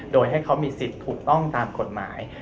โดยให้เขามีสิทธิ์ถูกต้องตามกฎหมาย